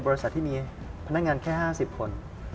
บริษัทที่มีพนักงานแค่๕๐คน